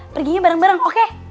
perginya bareng bareng oke